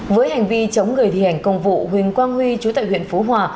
với hành vi chống người thi hành công vụ huỳnh quang huy chú tại huyện phú hòa